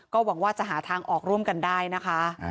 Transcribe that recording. หวังว่าจะหาทางออกร่วมกันได้นะคะ